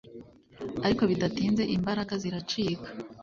Ariko bidatinze imbaraga ziracika,